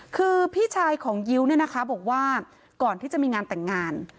คือพี่ชายของยิ้วเนี่ยนะคะบอกว่าก่อนที่จะมีงานแต่งงาน